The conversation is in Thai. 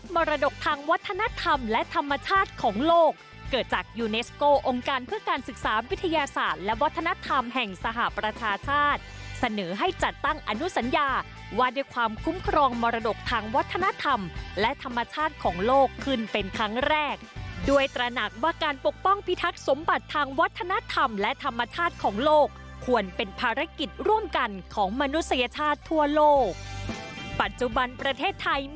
มรดกทางวัฒนธรรมแห่งสหประชาชาติเสนอให้จัดตั้งอนุสัญญาว่าได้ความคุ้มครองมรดกทางวัฒนธรรมและธรรมชาติของโลกขึ้นเป็นครั้งแรกด้วยตระหนักว่าการปกป้องพิทักษ์สมบัติทางวัฒนธรรมและธรรมชาติของโลกควรเป็นภารกิจร่วมกันของมนุษยชาติทั่วโลกปัจจุบันประเทศไทยม